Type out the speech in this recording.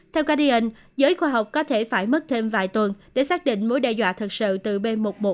theo guardian giới khoa học có thể phải mất thêm vài tuần để xác định mối đe dọa thật sự từ b một một năm trăm hai mươi chín